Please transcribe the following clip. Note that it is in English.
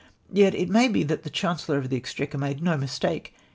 Yet it may be that the ChanceUor .of the Exchequer made no mistake.